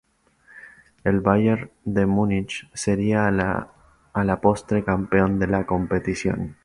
El Bayern de Múnich sería a la postre campeón de la competición.